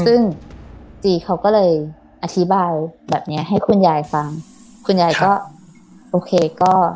ซึ่งจีเขาก็เลยอธิบายแบบเนี้ยให้คุณยายฟังคุณยายก็โอเคก็